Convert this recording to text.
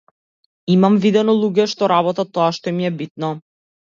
Имам видено луѓе што работат тоа што им е битно.